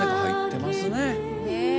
ねえ。